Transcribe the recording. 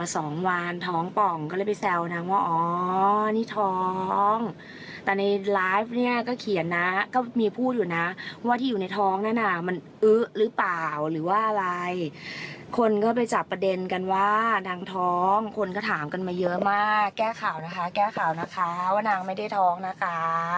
แซวเล่นกันว่านางท้องคนก็ถามกันมาเยอะมากแก้ข่าวนะคะแก้ข่าวนะคะว่านางไม่ได้ท้องนะคะ